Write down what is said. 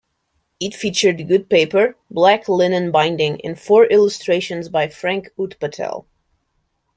It featured good paper, black linen binding and four illustrations by Frank Utpatel.